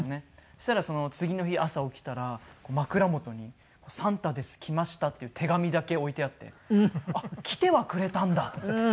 そしたら次の日朝起きたら枕元に「サンタです。来ました」っていう手紙だけ置いてあってあっ来てはくれたんだと思って。